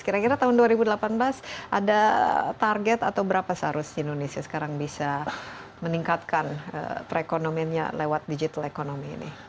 kira kira tahun dua ribu delapan belas ada target atau berapa seharusnya indonesia sekarang bisa meningkatkan perekonomiannya lewat digital economy ini